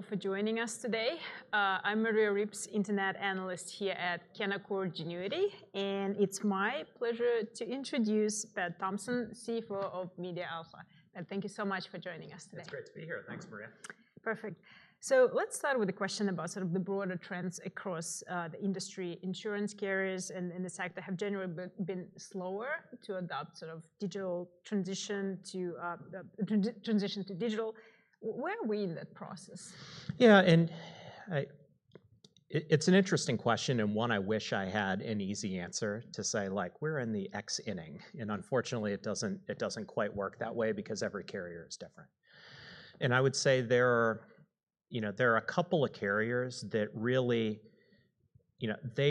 Thank you all for joining us today. I'm Maria Ripps, Internet Analyst here at Canaccord Genuity, and it's my pleasure to introduce Pat Thompson, CFO of MediaAlpha. Thank you so much for joining us today. Great to be here. Thanks, Maria. Perfect. Let's start with a question about the broader trends across the industry. Insurance carriers and the sector have generally been slower to adopt the transition to digital. Where are we in that process? Yeah, it's an interesting question and one I wish I had an easy answer to say, like, we're in the x inning. Unfortunately, it doesn't quite work that way because every carrier is different. I would say there are a couple of carriers that really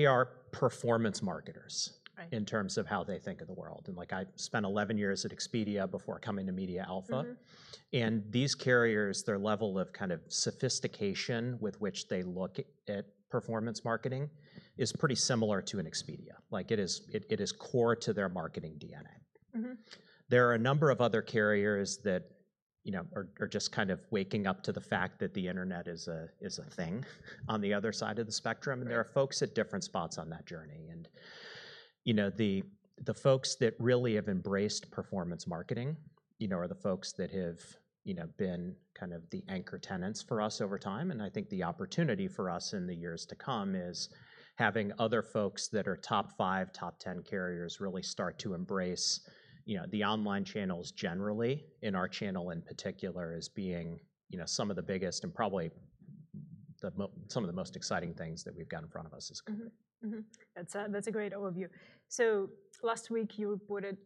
are performance marketers in terms of how they think of the world. I spent 11 years at Expedia before coming to MediaAlpha, and these carriers, their level of sophistication with which they look at performance marketing is pretty similar to an Expedia. It is core to their marketing DNA. There are a number of other carriers that are just kind of waking up to the fact that the internet is a thing on the other side of the spectrum. There are folks at different spots on that journey. The folks that really have embraced performance marketing are the folks that have been kind of the anchor tenants for us over time. I think the opportunity for us in the years to come is having other folks that are top five, top ten carriers really start to embrace the online channels generally, and our channel in particular as being some of the biggest and probably some of the most exciting things that we've got in front of us as a company. That's a great overview. Last week you reported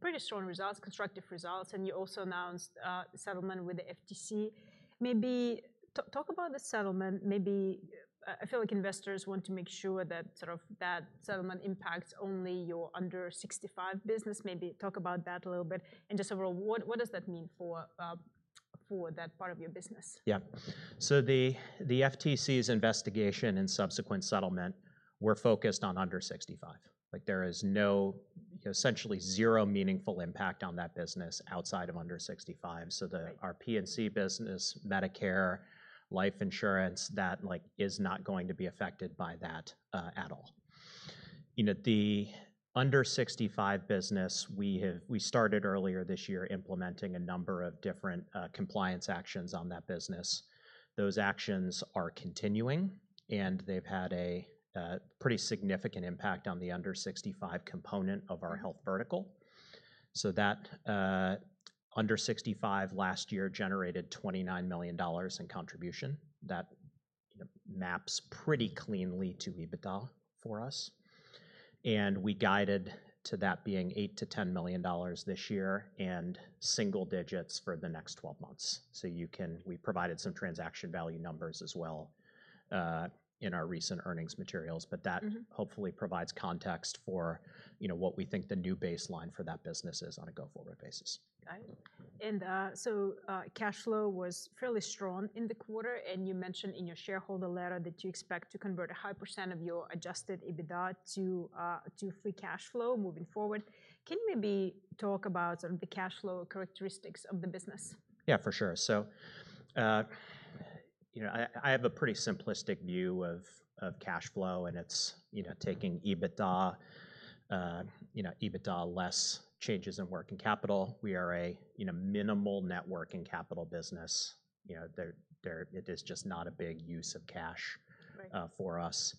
pretty strong results, constructive results, and you also announced a settlement with the FTC. Maybe talk about the settlement. I feel like investors want to make sure that settlement impacts only your under 65 business. Maybe talk about that a little bit, and just overall, what does that mean for that part of your business? Yeah. The FTC's investigation and subsequent settlement were focused on under 65 years old. There is no, you know, essentially zero meaningful impact on that business outside of under 65 years old. Our P&C insurance business, Medicare, life insurance, that is not going to be affected by that at all. The under-65 business, we started earlier this year implementing a number of different compliance actions on that business. Those actions are continuing, and they've had a pretty significant impact on the under 65 years old component of our health vertical. That under 65 years old last year generated $29 million in contribution that maps pretty cleanly to EBITDA for us. We guided to that being $8 million-$10 million this year and single digits for the next 12 months. We provided some transaction value numbers as well in our recent earnings materials. That hopefully provides context for what we think the new baseline for that business is on a go-forward basis. Cash flow was fairly strong in the quarter. You mentioned in your shareholder letter that you expect to convert a high percent of your adjusted EBITDA to free cash flow moving forward. Can you maybe talk about some of the cash flow characteristics of the business? Yeah, for sure. I have a pretty simplistic view of cash flow and it's, you know, taking EBITDA less changes in working capital. We are a minimal net working capital business. It is just not a big use of cash for us.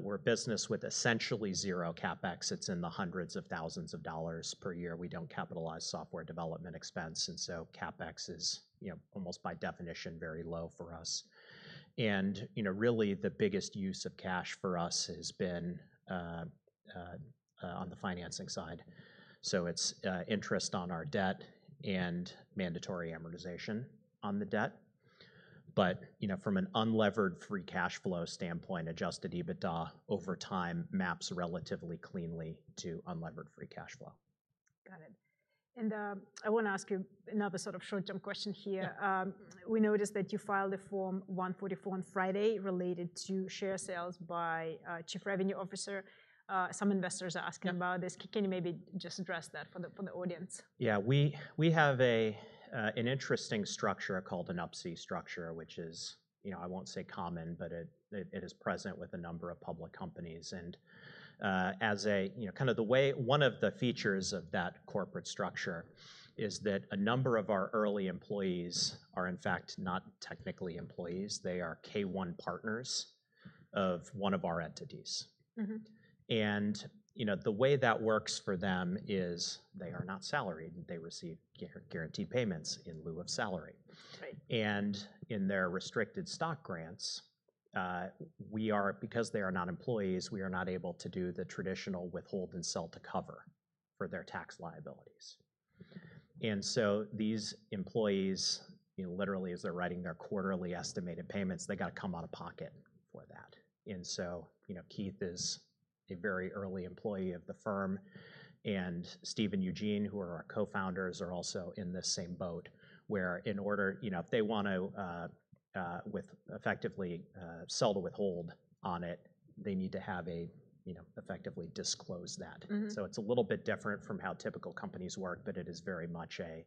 We're a business with essentially zero CapEx. It's in the hundreds of thousands of dollars per year. We don't capitalize software development expense, and so CapEx is almost by definition very low for us. Really the biggest use of cash for us has been on the financing side. It's interest on our debt and mandatory amortization on the debt. From an unlevered free cash flow standpoint, adjusted EBITDA over time maps relatively cleanly to unlevered free cash flow. Got it. I want to ask you another sort of short-term question here. We noticed that you filed a Form 144 on Friday related to share sales by Chief Revenue Officer. Some investors are asking about this. Can you maybe just address that for the audience? Yeah, we have an interesting structure called a UPSI structure, which is, you know, I won't say common, but it is present with a number of public companies. As a, you know, kind of the way one of the features of that corporate structure is that a number of our early employees are in fact not technically employees. They are K-1 partners of one of our entities. The way that works for them is they are not salaried and they receive guaranteed payments in lieu of salary. In their restricted stock grants, we are, because they are not employees, we are not able to do the traditional withhold and sell to cover for their tax liabilities. These employees, you know, literally as they're writing their quarterly estimated payments, they got to come out of pocket for that. Keith is a very early employee of the firm. Steve and Eugene, who are our co-founders, are also in the same boat where in order, you know, if they want to effectively sell the withhold on it, they need to have a, you know, effectively disclose that. It's a little bit different from how typical companies work, but it is very much a,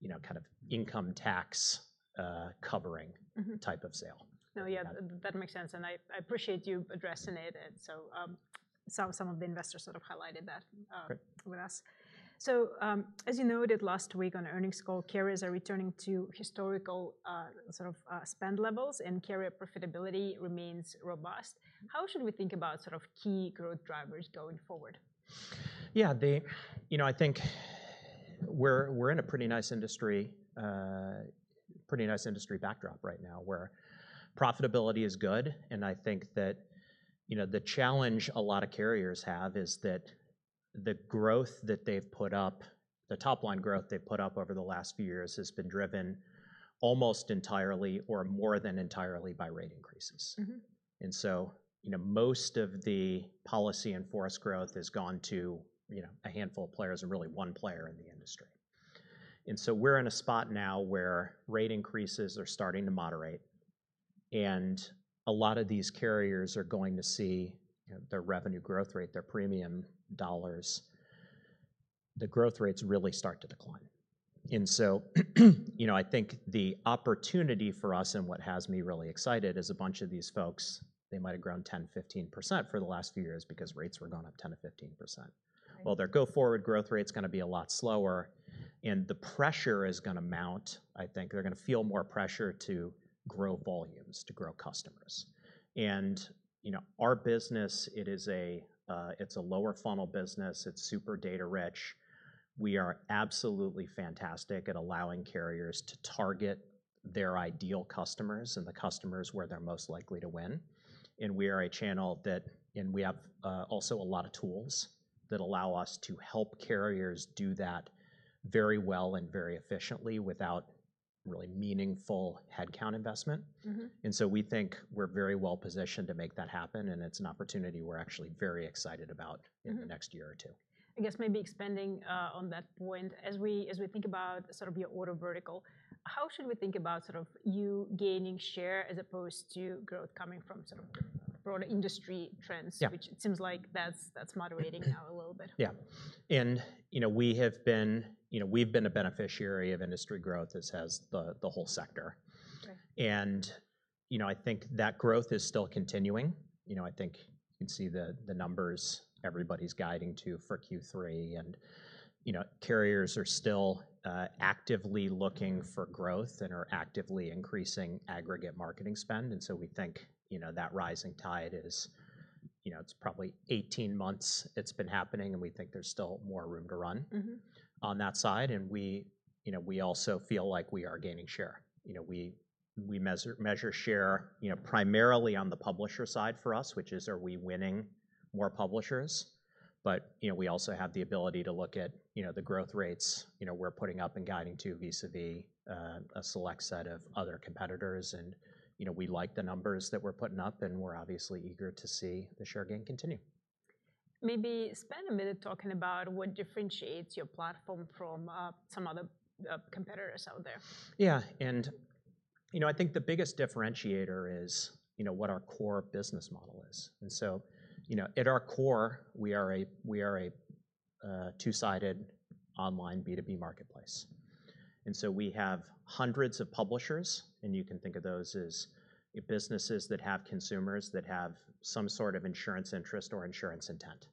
you know, kind of income tax covering type of sale. Oh, yeah, that makes sense. I appreciate you addressing it. Some of the investors highlighted that with us. As you noted last week on the earnings call, carriers are returning to historical spend levels and carrier profitability remains robust. How should we think about key growth drivers going forward? Yeah, I think we're in a pretty nice industry, pretty nice industry backdrop right now where profitability is good. I think that the challenge a lot of carriers have is that the growth that they've put up, the top line growth they've put up over the last few years has been driven almost entirely or more than entirely by rate increases. Most of the policy in force growth has gone to a handful of players and really one player in the industry. We're in a spot now where rate increases are starting to moderate. A lot of these carriers are going to see their revenue growth rate, their premium dollars, the growth rates really start to decline. I think the opportunity for us and what has me really excited is a bunch of these folks, they might have grown 10%-15% for the last few years because rates were going up 10%-15%. Their go-forward growth rate is going to be a lot slower, and the pressure is going to mount. I think they're going to feel more pressure to grow volumes, to grow customers. Our business, it is a lower funnel business. It's super data rich. We are absolutely fantastic at allowing carriers to target their ideal customers and the customers where they're most likely to win. We are a channel that, and we have also a lot of tools that allow us to help carriers do that very well and very efficiently without really meaningful headcount investment. We think we're very well positioned to make that happen, and it's an opportunity we're actually very excited about in the next year or two. I guess maybe expanding on that point, as we think about sort of your auto vertical, how should we think about sort of you gaining share as opposed to growth coming from sort of broader industry trends, which it seems like that's moderating now a little bit. Yeah. We have been a beneficiary of industry growth as has the whole sector. I think that growth is still continuing. I think you can see the numbers everybody's guiding to for Q3. Carriers are still actively looking for growth and are actively increasing aggregate marketing spend. We think that rising tide is, it's probably 18 months it's been happening. We think there's still more room to run on that side. We also feel like we are gaining share. We measure share primarily on the publisher side for us, which is, are we winning more publishers? We also have the ability to look at the growth rates we're putting up and guiding to vis-a-vis a select set of other competitors. We like the numbers that we're putting up. We're obviously eager to see the share gain continue. Maybe spend a minute talking about what differentiates your platform from some other competitors out there. Yeah. I think the biggest differentiator is what our core business model is. At our core, we are a two-sided online B2B marketplace. We have hundreds of publishers. You can think of those as businesses that have consumers that have some sort of insurance interest or insurance intent.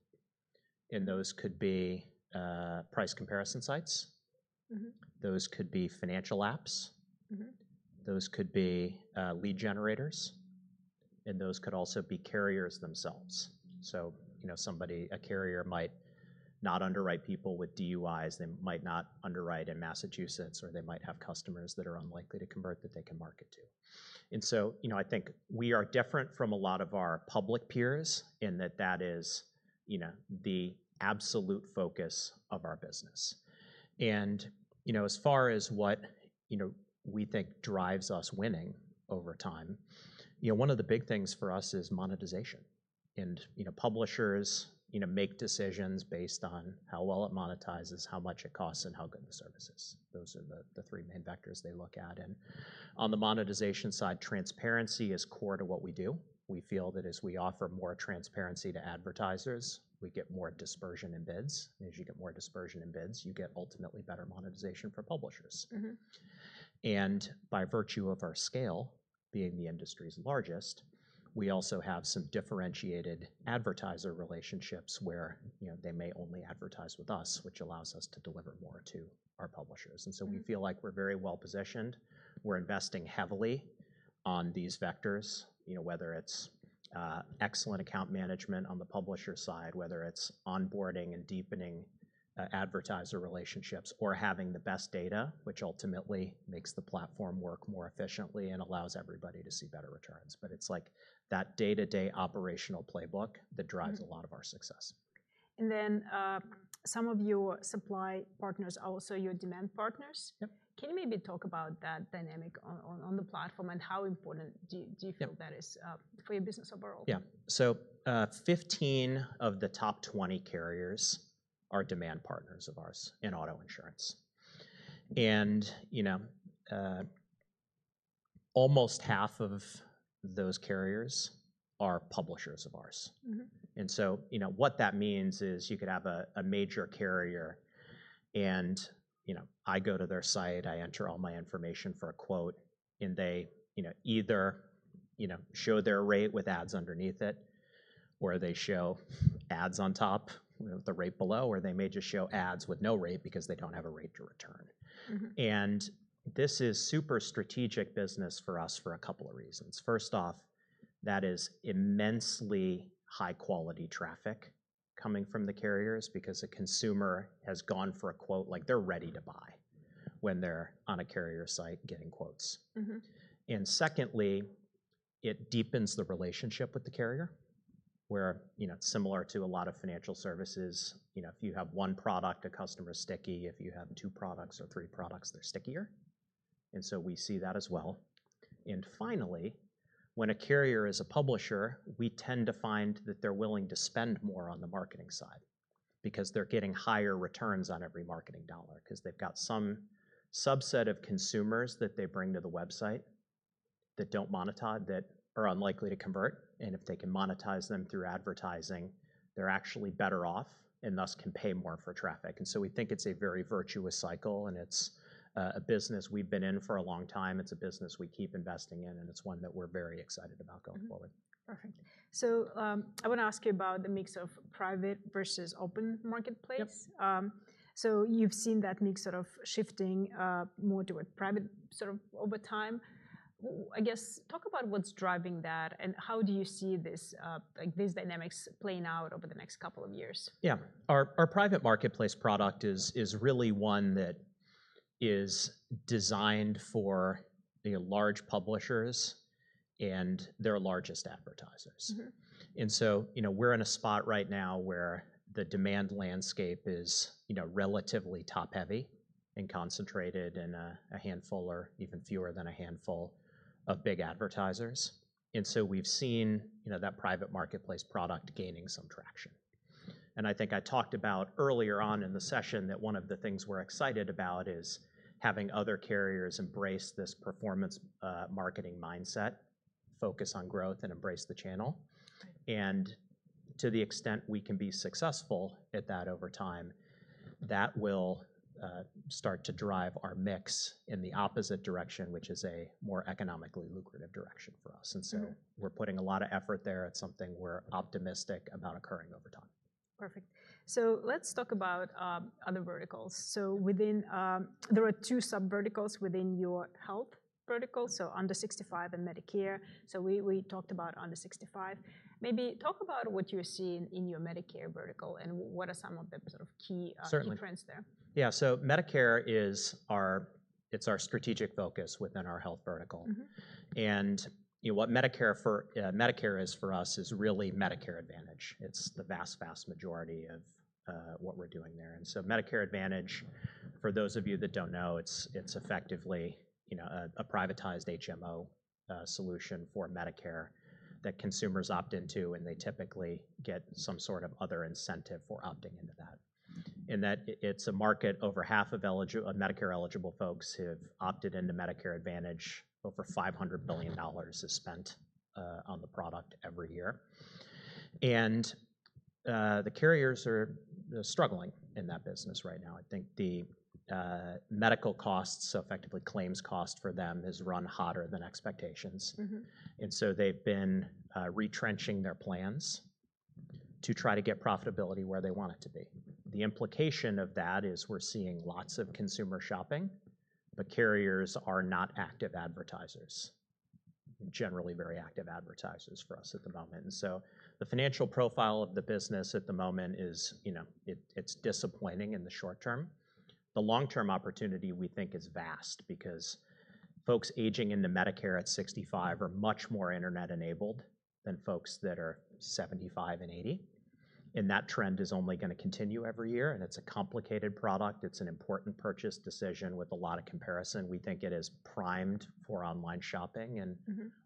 Those could be price comparison sites, financial apps, lead generators, or carriers themselves. For example, a carrier might not underwrite people with DUIs, they might not underwrite in Massachusetts, or they might have customers that are unlikely to convert that they can market to. I think we are different from a lot of our public peers in that that is the absolute focus of our business. As far as what we think drives us winning over time, one of the big things for us is monetization. Publishers make decisions based on how well it monetizes, how much it costs, and how good the service is. Those are the three main factors they look at. On the monetization side, transparency is core to what we do. We feel that as we offer more transparency to advertisers, we get more dispersion in bids. As you get more dispersion in bids, you get ultimately better monetization for publishers. By virtue of our scale, being the industry's largest, we also have some differentiated advertiser relationships where they may only advertise with us, which allows us to deliver more to our publishers. We feel like we're very well positioned. We're investing heavily on these vectors, whether it's excellent account management on the publisher side, onboarding and deepening advertiser relationships, or having the best data, which ultimately makes the platform work more efficiently and allows everybody to see better returns. It's that day-to-day operational playbook that drives a lot of our success. Some of your supply partners are also your demand partners. Can you maybe talk about that dynamic on the platform and how important you feel that is for your business overall? Yeah. 15 of the top 20 carriers are demand partners of ours in auto insurance. Almost half of those carriers are publishers of ours. What that means is you could have a major carrier, and I go to their site, I enter all my information for a quote, and they either show their rate with ads underneath it, or they show ads on top with the rate below, or they may just show ads with no rate because they don't have a rate to return. This is super strategic business for us for a couple of reasons. First off, that is immensely high-quality traffic coming from the carriers because the consumer has gone for a quote, like they're ready to buy when they're on a carrier site getting quotes. Secondly, it deepens the relationship with the carrier where it's similar to a lot of financial services. If you have one product, a customer is sticky. If you have two products or three products, they're stickier. We see that as well. Finally, when a carrier is a publisher, we tend to find that they're willing to spend more on the marketing side because they're getting higher returns on every marketing dollar because they've got some subset of consumers that they bring to the website that don't monetize, that are unlikely to convert. If they can monetize them through advertising, they're actually better off and thus can pay more for traffic. We think it's a very virtuous cycle. It's a business we've been in for a long time. It's a business we keep investing in, and it's one that we're very excited about going forward. Perfect. I want to ask you about the mix of private versus open marketplace. You've seen that mix sort of shifting more toward private over time. I guess talk about what's driving that and how do you see this, like these dynamics playing out over the next couple of years? Our private marketplace product is really one that is designed for the large publishers and their largest advertisers. We're in a spot right now where the demand landscape is relatively top-heavy and concentrated in a handful or even fewer than a handful of big advertisers. We've seen that private marketplace product gaining some traction. I think I talked about earlier on in the session that one of the things we're excited about is having other carriers embrace this performance marketing mindset, focus on growth, and embrace the channel. To the extent we can be successful at that over time, that will start to drive our mix in the opposite direction, which is a more economically lucrative direction for us. We're putting a lot of effort there. It's something we're optimistic about occurring over time. Perfect. Let's talk about other verticals. Within, there are two sub-verticals within your health vertical, under 65 years old and Medicare. We talked about under 65 years old. Maybe talk about what you're seeing in your Medicare vertical and what are some of the sort of key trends there. Yeah. Medicare is our strategic focus within our health vertical. What Medicare is for us is really Medicare Advantage. It's the vast, vast majority of what we're doing there. Medicare Advantage, for those of you that don't know, is effectively a privatized HMO solution for Medicare that consumers opt into. They typically get some sort of other incentive for opting into that. It's a market where over half of Medicare-eligible folks have opted into Medicare Advantage. Over $500 billion is spent on the product every year. The carriers are struggling in that business right now. I think the medical costs, so effectively claims cost for them, has run hotter than expectations. They've been retrenching their plans to try to get profitability where they want it to be. The implication of that is we're seeing lots of consumer shopping, but carriers are not active advertisers, generally very active advertisers for us at the moment. The financial profile of the business at the moment is disappointing in the short term. The long-term opportunity we think is vast because folks aging into Medicare at 65 years old are much more internet-enabled than folks that are 75 years old and 80 years old. That trend is only going to continue every year. It's a complicated product. It's an important purchase decision with a lot of comparison. We think it is primed for online shopping.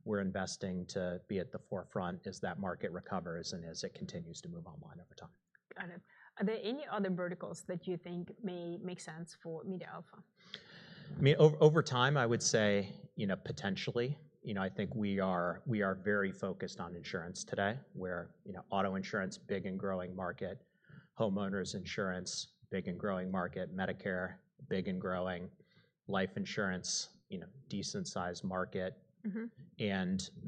We're investing to be at the forefront as that market recovers and as it continues to move online over time. Got it. Are there any other verticals that you think may make sense for MediaAlpha? Over time, I would say, potentially, I think we are very focused on insurance today where auto insurance, big and growing market, homeowners insurance, big and growing market, Medicare, big and growing, life insurance, decent sized market.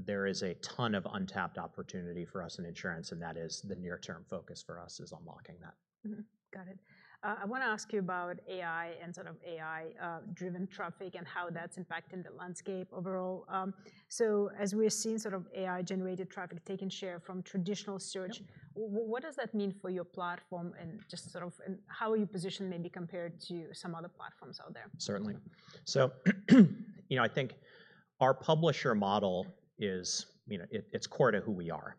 There is a ton of untapped opportunity for us in insurance. That is the near-term focus for us, unlocking that. Got it. I want to ask you about AI and sort of AI-driven traffic and how that's impacting the landscape overall. As we've seen sort of AI-generated traffic taking share from traditional search, what does that mean for your platform and just sort of how are you positioned maybe compared to some other platforms out there? Certainly. I think our publisher model is core to who we are.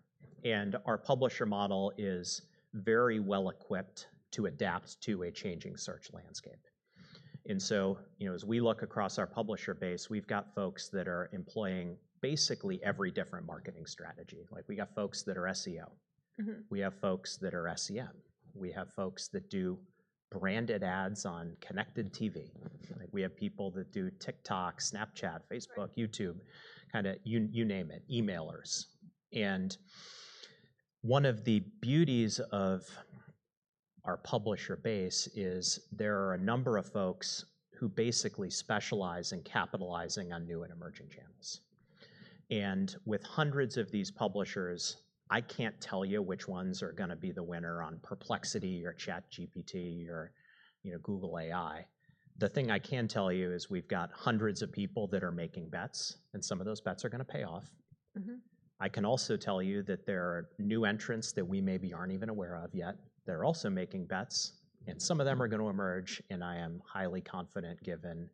Our publisher model is very well equipped to adapt to a changing search landscape. As we look across our publisher base, we've got folks that are employing basically every different marketing strategy. We've got folks that are SEO, we have folks that are SEM, we have folks that do branded ads on connected TV, we have people that do TikTok, Snapchat, Facebook, YouTube, you name it, emailers. One of the beauties of our publisher base is there are a number of folks who basically specialize in capitalizing on new and emerging channels. With hundreds of these publishers, I can't tell you which ones are going to be the winner on Perplexity or ChatGPT or Google AI. The thing I can tell you is we've got hundreds of people that are making bets, and some of those bets are going to pay off. I can also tell you that there are new entrants that we maybe aren't even aware of yet. They're also making bets, and some of them are going to emerge. I am highly confident given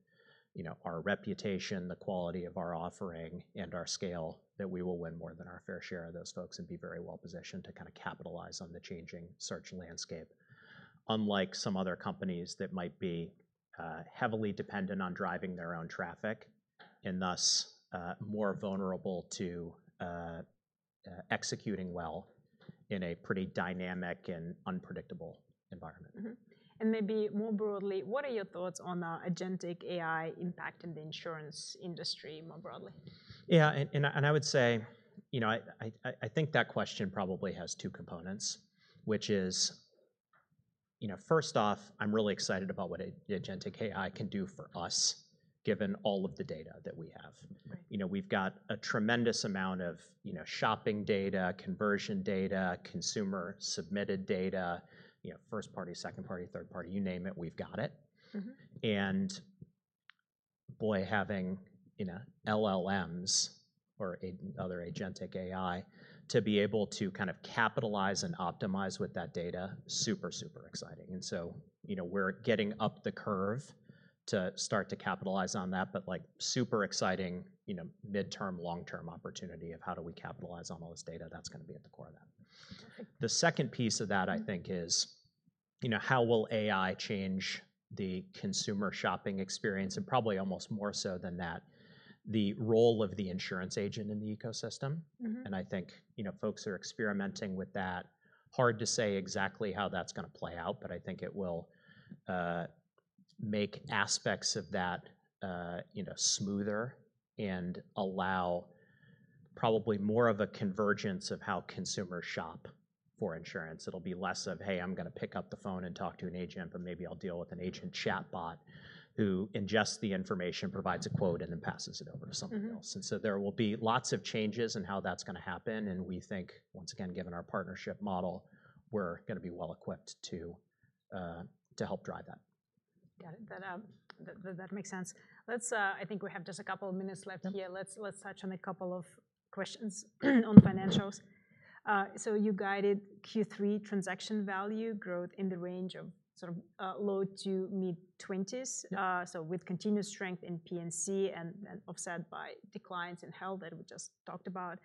our reputation, the quality of our offering, and our scale that we will win more than our fair share of those folks and be very well positioned to capitalize on the changing search landscape, unlike some other companies that might be heavily dependent on driving their own traffic and thus more vulnerable to executing well in a pretty dynamic and unpredictable environment. What are your thoughts on the agentic AI impact in the insurance industry more broadly? Yeah. I would say, I think that question probably has two components, which is, first off, I'm really excited about what the agentic AI can do for us, given all of the data that we have. We've got a tremendous amount of shopping data, conversion data, consumer submitted data, first party, second party, third party, you name it, we've got it. Having LLMs or other agentic AI to be able to capitalize and optimize with that data is super, super exciting. We're getting up the curve to start to capitalize on that. It's a super exciting mid-term, long-term opportunity of how do we capitalize on all this data that's going to be at the core of that. The second piece of that, I think, is how will AI change the consumer shopping experience? Probably almost more so than that, the role of the insurance agent in the ecosystem. I think folks are experimenting with that. Hard to say exactly how that's going to play out. I think it will make aspects of that smoother and allow probably more of a convergence of how consumers shop for insurance. It'll be less of, hey, I'm going to pick up the phone and talk to an agent, but maybe I'll deal with an agent chatbot who ingests the information, provides a quote, and then passes it over to someone else. There will be lots of changes in how that's going to happen. We think, once again, given our partnership model, we're going to be well equipped to help drive that. Got it. That makes sense. I think we have just a couple of minutes left here. Let's touch on a couple of questions on financials. You guided Q3 transaction value growth in the range of sort of low to mid-20s, with continuous strength in P&C insurance and then offset by declines in health insurance that we just talked about.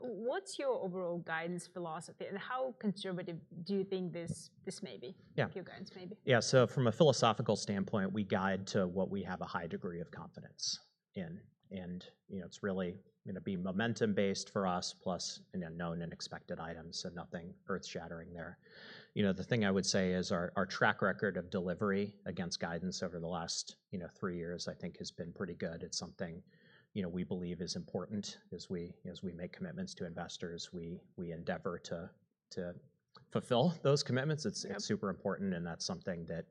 What's your overall guidance philosophy and how conservative do you think this may be, your guidance may be? From a philosophical standpoint, we guide to what we have a high degree of confidence in. It's really being momentum-based for us plus known and expected items. Nothing earth-shattering there. The thing I would say is our track record of delivery against guidance over the last three years, I think, has been pretty good. It's something we believe is important. As we make commitments to investors, we endeavor to fulfill those commitments. It's super important. That's something that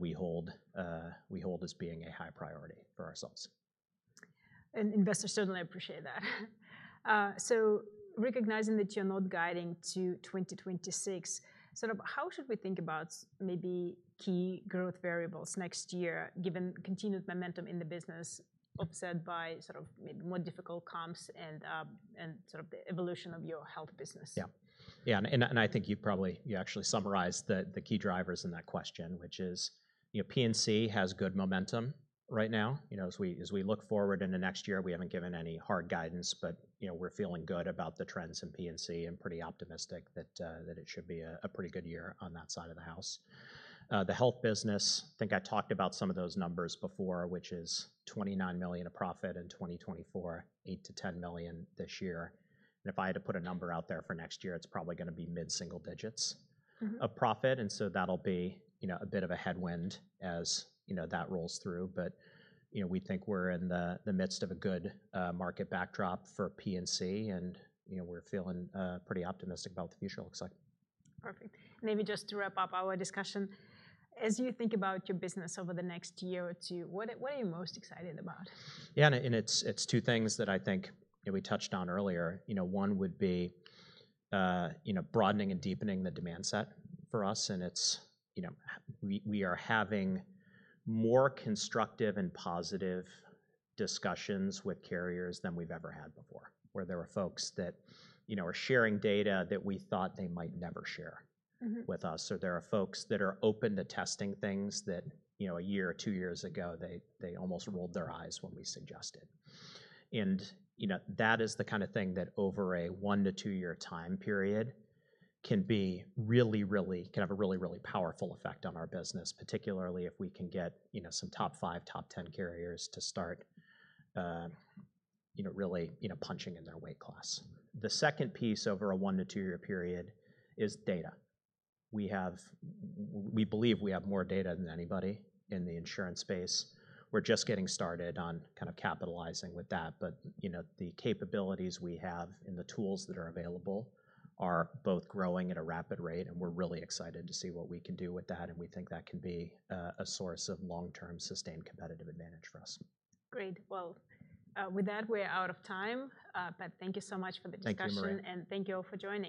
we hold as being a high priority for ourselves. Investors certainly appreciate that. Recognizing that you're not guiding to 2026, how should we think about maybe key growth variables next year, given continued momentum in the business, offset by more difficult comps and the evolution of your health business? Yeah. Yeah. I think you probably, you actually summarized the key drivers in that question, which is, you know, P&C insurance has good momentum right now. As we look forward into next year, we haven't given any hard guidance, but, you know, we're feeling good about the trends in P&C insurance and pretty optimistic that it should be a pretty good year on that side of the house. The health business, I think I talked about some of those numbers before, which is $29 million of profit in 2024, $8 million-$10 million this year. If I had to put a number out there for next year, it's probably going to be mid-single digits of profit. That'll be, you know, a bit of a headwind as, you know, that rolls through. We think we're in the midst of a good market backdrop for P&C insurance. You know, we're feeling pretty optimistic about what the future looks like. Perfect. Maybe just to wrap up our discussion, as you think about your business over the next year or two, what are you most excited about? Yeah. It's two things that I think we touched on earlier. One would be broadening and deepening the demand set for us. We are having more constructive and positive discussions with carriers than we've ever had before, where there are folks that are sharing data that we thought they might never share with us. There are folks that are open to testing things that, a year or two years ago, they almost rolled their eyes when we suggested. That is the kind of thing that over a one to two-year time period can have a really, really powerful effect on our business, particularly if we can get some top five, top ten carriers to start really punching in their weight class. The second piece over a one to two-year period is data. We believe we have more data than anybody in the insurance space. We're just getting started on capitalizing with that. The capabilities we have and the tools that are available are both growing at a rapid rate. We're really excited to see what we can do with that, and we think that can be a source of long-term sustained competitive advantage for us. Great. With that, we're out of time. Thank you so much for the discussion, and thank you all for joining.